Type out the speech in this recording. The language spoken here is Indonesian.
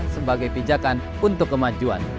sebagai pijakan untuk kemajuan